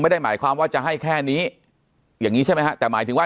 ไม่ได้หมายความว่าจะให้แค่นี้อย่างนี้ใช่ไหมฮะแต่หมายถึงว่า